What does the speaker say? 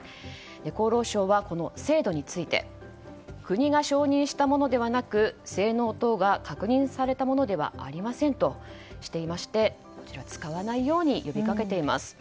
厚労省はこの精度について国が承認したものではなく性能等が確認されたものではありませんとしていまして使わないように呼びかけています。